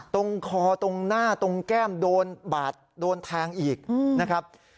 ตรงคอตรงหน้าตรงแก้มโดนบาดโดนแทงอีกนะครับ